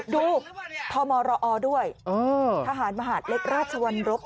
ดูพอมรออด้วยธหารมหารัชวรรค